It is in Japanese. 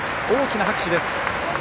大きな拍手です。